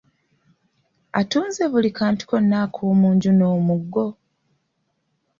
Atunze buli kantu konna ak’omunju n’omuggo?